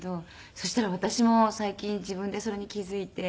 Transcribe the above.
そしたら私も最近自分でそれに気付いて。